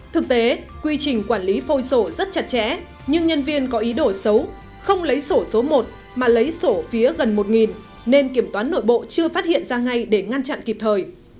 thực tế quy trình quản lý phôi sổ rất chặt chẽ nhưng nhân viên có ý đồ xấu không lấy sổ số một mà lấy sổ phía gần một nên kiểm toán nội bộ chưa phát hiện ra ngay để ngăn chặn kịp thời